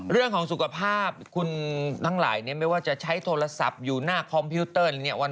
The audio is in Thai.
เรื่องของสุขภาพคุณทั้งหลายไม่ว่าจะใช้โทรศัพท์อยู่หน้าคอมพิวเตอร์เนี่ย